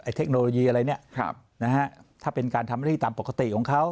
เทคโนโลยีอะไรเนี่ยนะฮะถ้าเป็นการทำหน้าที่ตามปกติของเขา